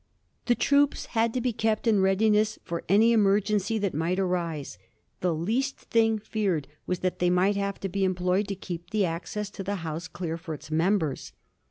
The troops had to be kept in readiness for any emergency that might arise. The least thing feared was that they might have to be employed to keep the access to the House clear for its members.